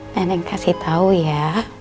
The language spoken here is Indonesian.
nenek kasih tau ya